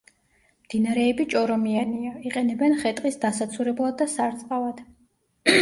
მდინარეები ჭორომიანია, იყენებენ ხე-ტყის დასაცურებლად და სარწყავად.